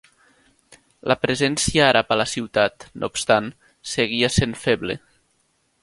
La presència àrab a la ciutat, no obstant, seguia sent feble.